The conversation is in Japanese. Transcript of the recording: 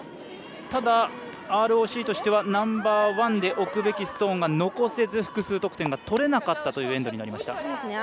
ただ、ＲＯＣとしてはナンバーワンで置くべきストーンが残せず、複数得点が取れなかったというエンドになりました。